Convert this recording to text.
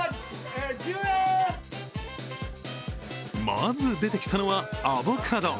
まず出てきたのは、アボカド。